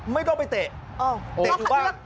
ไม่ต้องไปเตะหรือบ้าง